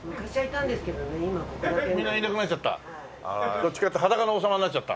どっちかっていうと裸の王様になっちゃった？